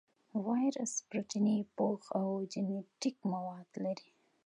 وایرس پروتیني پوښ او جینیټیک مواد لري.